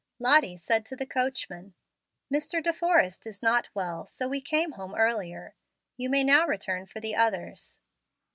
Lottie said to the coachman, "Mr. De Forrest is not well, so we came home earlier. You may now return for the others."